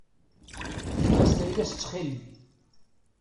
Efk-as-d ayla-s ttxil-m.